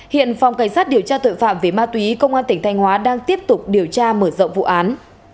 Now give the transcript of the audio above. hiện phòng cảnh sát điều tra tội phạm về ma túy công an tỉnh thanh hóa đang tiếp tục điều tra mở rộng vụ án